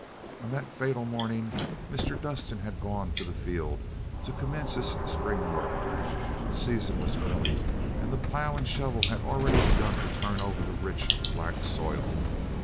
On that fatal morning, Mr. Dustin had gone to the field to commence his spring work. The season was early, and the plow and shovel had already begun to turn over the rich, black soil.